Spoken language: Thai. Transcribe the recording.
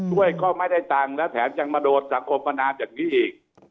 ด้วยก็ไม่ได้ตังค์และแถมยังมาโดนสังคมประนามอย่างนี้อีก